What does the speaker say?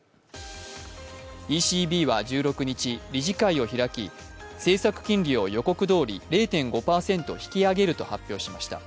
ＥＣＢは１６日、理事会を開き、政策金利を予告どおり０．５％引き上げると発表しました。